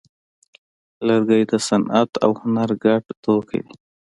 لرګی د صنعت او هنر ګډ توکی دی.